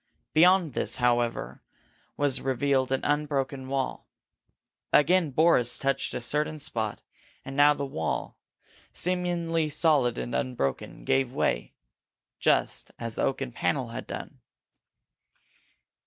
Beyond this, however, was revealed an unbroken wall. Again Boris touched a certain spot, and now this wall, seemingly solid and unbroken, gave way, just as the oaken panel had done.